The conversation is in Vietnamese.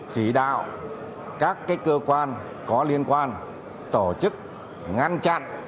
chỉ đạo các cơ quan có liên quan tổ chức ngăn chặn